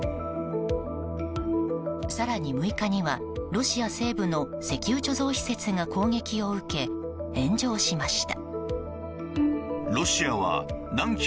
更に６日には、ロシア西部の石油貯蔵施設が攻撃を受け炎上しました。